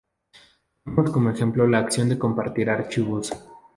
Tomemos como ejemplo la acción de compartir archivos.